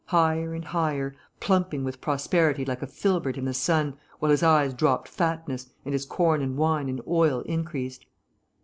Higher and higher, plumping with prosperity like a filbert in the sun, while his eyes dropped fatness, and his corn and wine and oil increased....